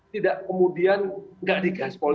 tidak kemudian gak digaspol